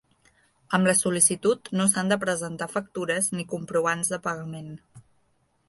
Amb la sol·licitud no s'han de presentar factures ni comprovants de pagament.